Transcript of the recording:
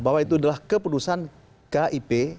bahwa itu adalah keputusan kip